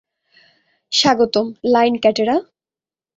স্বাগতম, লাইন ক্যাটেরা।